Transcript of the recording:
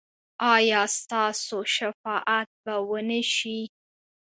ایا ستاسو شفاعت به و نه شي؟